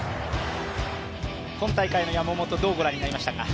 今大会の山本、どうご覧になりましたか？